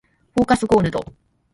フォーカスゴールド